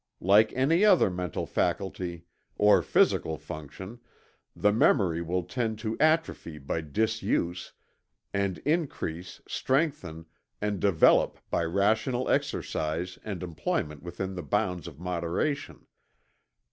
Like any other mental faculty, or physical function, the memory will tend to atrophy by disuse, and increase, strengthen and develop by rational exercise and employment within the bounds of moderation.